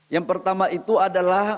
yang pertama itu adalah